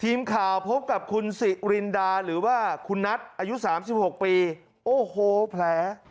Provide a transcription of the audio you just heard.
พบกับคุณสิรินดาหรือว่าคุณนัทอายุ๓๖ปีโอ้โหแผล